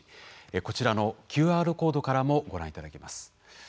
こちらのＱＲコードからもご覧いただけます。